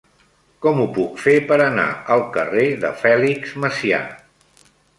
Com ho puc fer per anar al carrer de Fèlix Macià?